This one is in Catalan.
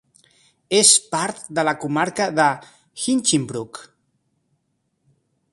És part de la comarca de Hinchinbrook.